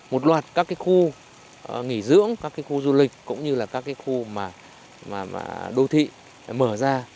một loạt các khu nghỉ dưỡng các khu du lịch cũng như là các khu đô thị mở ra